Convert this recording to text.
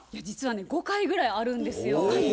実はね５回ぐらいあるんですよ。